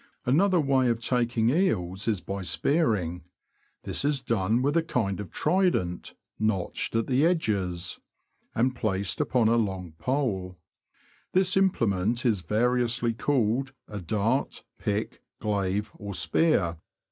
Another way of taking eels is by spearing. This is done with a kind of trident, notched at the edges, and 300 THE LAND OF THE BROADS. placed upon a long pole. This implement is variously called a dart, pick, glave, or spear.